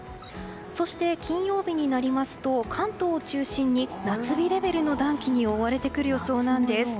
そして、金曜日になりますと関東を中心に夏日レベルの暖気に覆われてくる予想なんです。